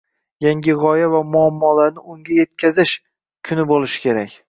– yangi g‘oya va muammolarni unga yetkazish kuni bo‘lishi kerak.